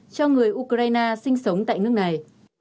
cho người ukraine sinh sống tại nước này